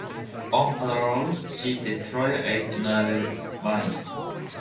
On patrol she destroyed eight naval mines.